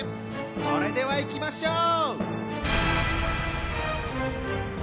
それではいきましょう！